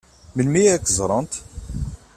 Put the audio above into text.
Melmi ad k-ẓṛent?